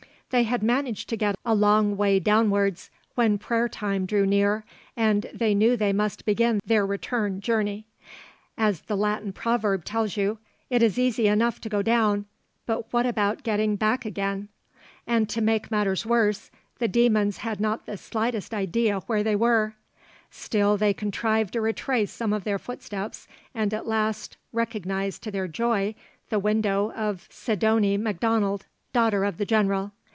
They had managed to get a long way downwards when prayer time drew near, and they knew they must begin their return journey. As the Latin proverb tells you, it is easy enough to go down, but what about getting back again? And to make matters worse, the demons had not the slightest idea where they were. Still, they contrived to retrace some of their footsteps and at last recognised to their joy the window of Sidonie Macdonald, daughter of the general.